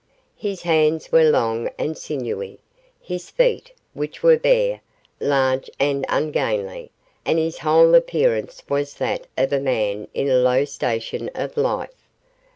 His hands were long and sinewy; his feet which were bare large and ungainly: and his whole appearance was that of a man in a low station of life.